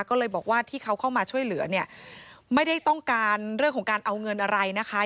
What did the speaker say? ก็เลยบอกว่าที่เขาเข้ามาช่วยเหลือเนี่ยไม่ได้ต้องการเรื่องของการเอาเงินอะไรนะคะ